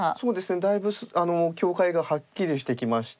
だいぶ境界がはっきりしてきまして。